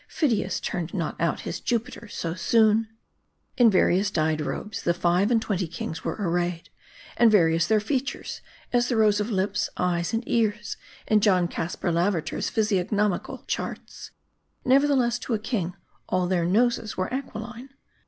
Phidias turned not out his Jupiter so soon. In various dyed robes the five and twenty kings were ar rayed ; and various their features, as the rows of lips, eyes and ears in John Caspar Lavater's physiognomical charts. Nevertheless, to a king, all their 'noses were aquiline.